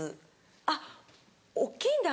あっ大っきいんだ！